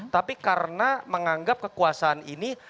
tapi karena menganggap kekuasaan ini